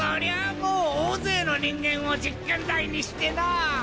もう大勢の人間を実験台にしてなぁ。